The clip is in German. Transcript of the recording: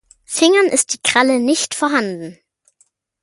Fingern ist die Kralle nicht vorhanden.